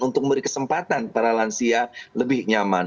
untuk memberi kesempatan para lansia lebih nyaman